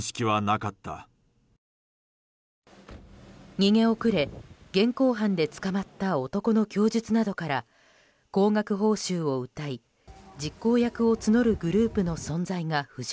逃げ遅れ、現行犯で捕まった男の供述などから高額報酬をうたい実行役を募るグループの存在が浮上。